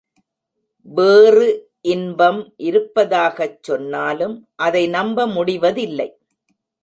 வேறு இன்பம் இருப்பதாகச் சொன்னாலும் அதை நம்ப முடிவதில்லை.